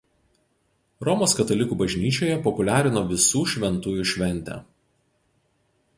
Romos katalikų bažnyčioje populiarino Visų šventųjų šventę.